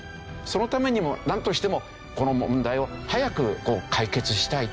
そのためにもなんとしてもこの問題を早く解決したい。